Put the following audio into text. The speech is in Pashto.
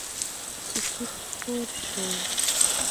سکوت خپور شو.